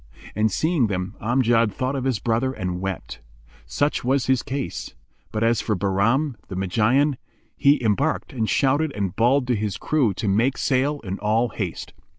And seeing them Amjad thought of his brother and wept. Such was his case; but as for Bahram, the Magian, he embarked and shouted and bawled to his crew to make sail in all haste.